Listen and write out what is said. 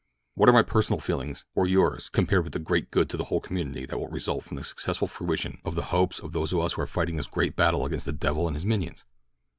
"What are my personal feelings, or yours, compared with the great good to the whole community that will result from the successful fruition of the hopes of those of us who are fighting this great battle against the devil and his minions?